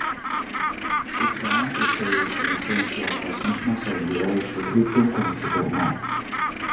Ultraman posee, en esencia, las mismas habilidades de Krypton como Superman.